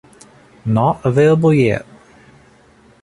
Not available yet.